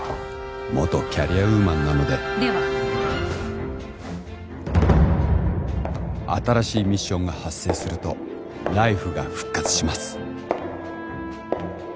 元キャリアウーマンなのででは新しいミッションが発生するとライフが復活します